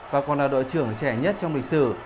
và còn là đội trưởng trẻ nhất trong lịch sử